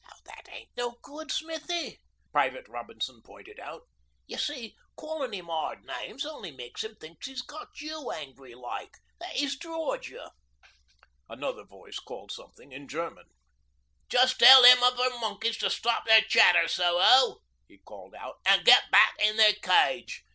'That ain't no good, Smithy,' Private Robinson pointed out. 'Y'see, callin' 'im 'ard names only makes 'im think 'e's got you angry like that 'e's drawed you.' (Another voice called something in German.) 'Just tell them other monkeys to stop their chatter, Soho,' he called out, 'an' get back in their cage.